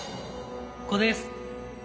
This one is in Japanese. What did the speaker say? ここです。